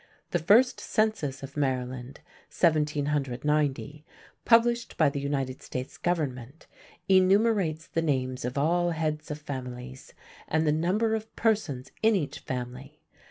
The first census of Maryland (1790), published by the United States Government, enumerates the names of all "Heads of Families" and the number of persons in each family.